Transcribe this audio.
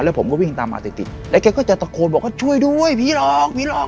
แล้วผมก็วิ่งตามมาติดติดแล้วแกก็จะตะโกนบอกว่าช่วยด้วยผีหลอกผีหลอก